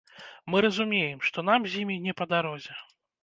Мы разумеем, што нам з імі не па дарозе.